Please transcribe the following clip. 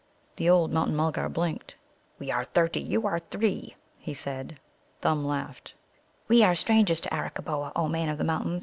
The old Mountain mulgar blinked. "We are thirty; you are three," he said. Thumb laughed. "We are strangers to Arakkaboa, O Man of the Mountains.